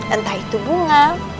entah itu bunga